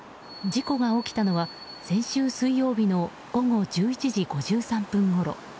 事故が起きたのは先週水曜日の午後１１時５３分ごろ。